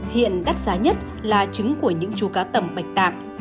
hiện đắt giá nhất là trứng của những chú cá tầm bạch tạc